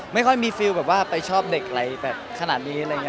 ไม่ค่อยมีฟิวแบบว่าไปชอบเด็กไร่แบบขนาดนี้อะไรเงี้ย